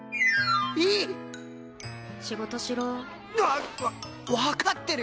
仕事しろ。わわかってるよ！